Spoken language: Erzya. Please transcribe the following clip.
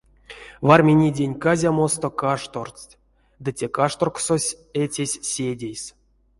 Варминеденть казямосто каштордсть, ды те кашторксось эцесь седейс.